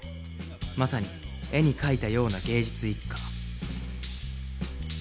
まさに絵に描いたような芸術一家